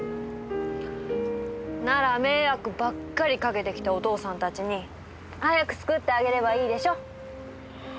なら迷惑ばっかりかけてきたお父さんたちに早く作ってあげればいいでしょ。